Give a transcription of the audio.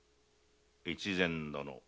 越前殿。